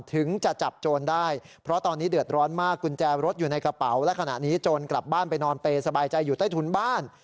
ถึงจะจับโจรได้เพราะตอนนี้เดือดร้อนมากกุญแจรถอยู่ในกระเป๋าและขณะนี้โจรกลับบ้านไปนอนเปย์สบายใจอยู่ใต้ถุนบ้าน